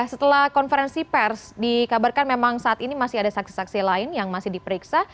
setelah konferensi pers dikabarkan memang saat ini masih ada saksi saksi lain yang masih diperiksa